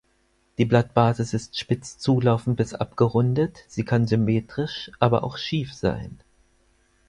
Die Blattbasis ist spitz zulaufend bis abgerundet; sie kann symmetrisch, aber auch schief sein.